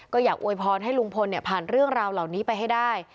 ก็อยากอวยพรให้ลุงพลผ่านเรื่องราวเหล่านี้ไปให้ได้